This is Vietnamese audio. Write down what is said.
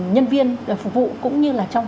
nhân viên phục vụ cũng như là trong